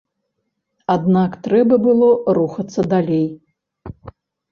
Аднак трэба было рухацца далей.